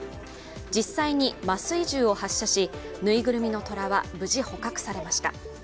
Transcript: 実際に麻酔銃を発射し、ぬいぐるみの虎は無事、捕獲されました。